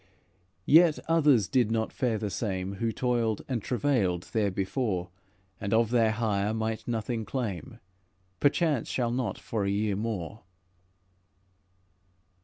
Yet others did not fare the same, Who toiled and travailed there before, And of their hire might nothing claim, Perchance shall not for a year more."